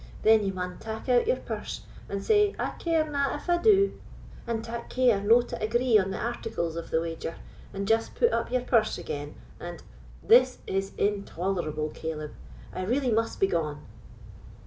Then ye maun tak out your purse, and say, 'I carena if I do'; and tak care no to agree on the articles of the wager, and just put up your purse again, and——" "This is intolerable, Caleb; I really must be gone."